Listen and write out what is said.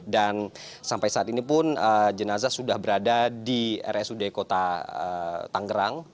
dan sampai saat ini pun jenazah sudah berada di rsud kota tangerang